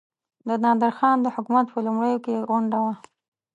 د نادرخان د حکومت په لومړیو کې غونډه وه.